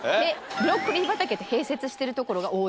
ブロッコリー畑と併設してる所が多い。